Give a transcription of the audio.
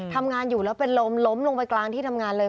ทำงานอยู่แล้วเป็นลมล้มลงไปกลางที่ทำงานเลย